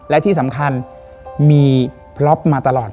และที่สำคัญมีพล็อปมาตลอด